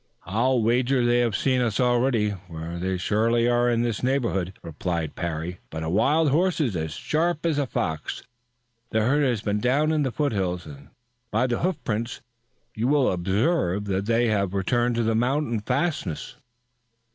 "I'll wager they have seen us already, for they surely are in this neighborhood," replied Parry. "But a wild horse is as sharp as an old fox. The herd have been down in the foothills and, by the hoofprints, you will observe that they have returned to the mountain fastness."